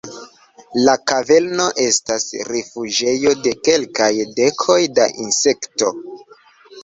La kaverno estas rifuĝejo de kelkaj dekoj da insekto.